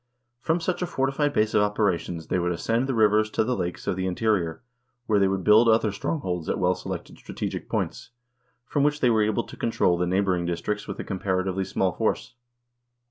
From such a fortified base of operations they would ascend the rivers to the lakes of the interior, where they would build other strongholds at well selected strategic points, from which they were able to con trol the neighboring districts with a comparatively small force.